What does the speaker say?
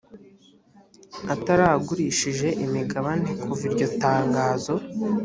ataragurishije imigabane kuva iryo tangazo